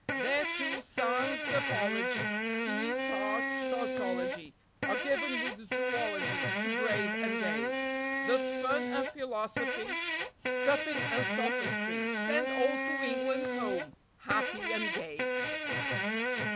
There, too, sans apology, tea, tarts, tautology, Are given with zoölogy, to grave and gay; Thus fun and philosophy, supping and sophistry Send all to England home, happy and gay.